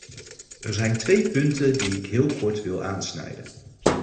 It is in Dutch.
Er zijn twee punten die ik heel kort wil aansnijden.